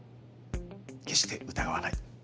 「決して疑わない」。